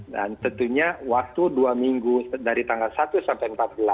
tentunya waktu dua minggu dari tanggal satu sampai empat belas